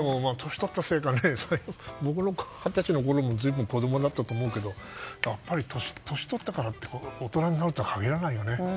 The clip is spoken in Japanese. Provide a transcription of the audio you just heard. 年取ったせいか僕の二十歳のころも随分子供だったと思うけど年を取ったからといって大人になるとは限らないよね。